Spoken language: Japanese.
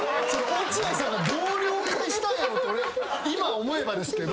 落合さんがどう了解したんやろって今思えばですけど。